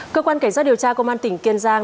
cơ quan cảnh sát điều tra công an tỉnh kiên giang